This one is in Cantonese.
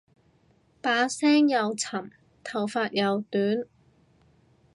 把聲又沉頭髮又短